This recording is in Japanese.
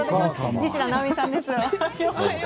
西田尚美さんです。